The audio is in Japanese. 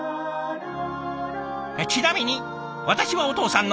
ちなみに私はお父さんの弁当箱。